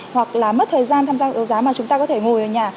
hoặc là mất thời gian tham gia đấu giá mà chúng ta có thể ngồi ở nhà